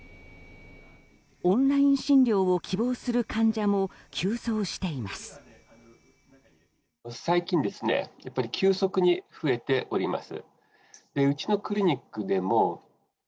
オンライン診療を希望する患者も急増しています。